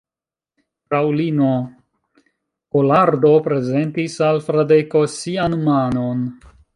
Fraŭlino Kolardo prezentis al Fradeko sian manon.